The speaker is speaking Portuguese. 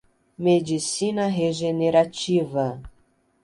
Medicina regenerativa